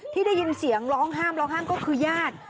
ที่ได้ยินเสียงร้องห้ามร้องห้ามก็คือญาติ